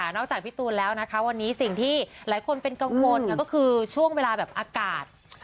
จากพี่ตูนแล้วนะคะวันนี้สิ่งที่หลายคนเป็นกังวลก็คือช่วงเวลาแบบอากาศ